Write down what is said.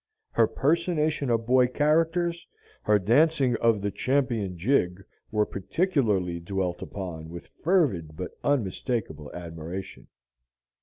Her personation of boy characters, her dancing of the "champion jig," were particularly dwelt upon with fervid but unmistakable admiration.